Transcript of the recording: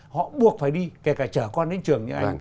họ buộc phải đi kể cả chở con đến trường như anh